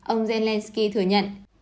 ông zelenskyy thừa nhận